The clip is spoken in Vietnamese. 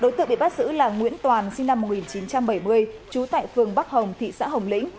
đối tượng bị bắt giữ là nguyễn toàn sinh năm một nghìn chín trăm bảy mươi trú tại phường bắc hồng thị xã hồng lĩnh